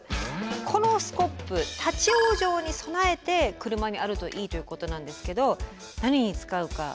このスコップ立往生に備えて車にあるといいということなんですけど何に使うか分かりますか？